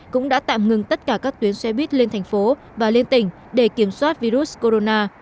cũng đã tạm ngừng tất cả các tuyến xe buýt lên thành phố và lên tỉnh để kiểm soát virus corona